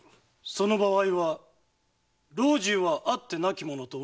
その場合は老中はあってなきものと同じにございます。